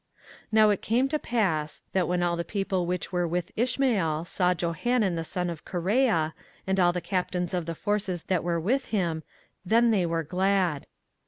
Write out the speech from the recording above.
24:041:013 Now it came to pass, that when all the people which were with Ishmael saw Johanan the son of Kareah, and all the captains of the forces that were with him, then they were glad.